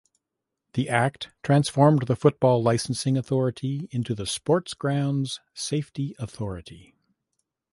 The Act transformed the Football Licensing Authority into the Sports Grounds Safety Authority.